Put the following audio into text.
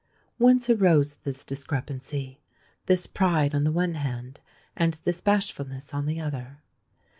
Whence arose this discrepancy,—this pride on the one hand, and this bashfulness on the other?